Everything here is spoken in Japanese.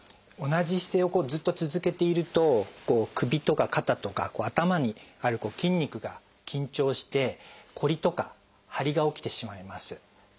同じ姿勢をずっと続けていると首とか肩とか頭にある筋肉が緊張してこりとか張りが起きてしまいます。